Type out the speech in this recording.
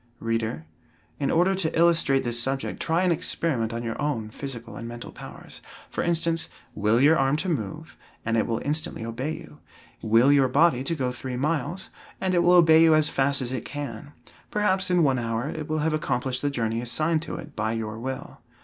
Reader, in order to illustrate this subject try an experiment on your own physical and mental powers. For instance; will your arm to move, and it will instantly obey you. Will your body to go three miles, and it will obey you as fast as it can; perhaps in one hour it will have accomplished the journey assigned to it by your will.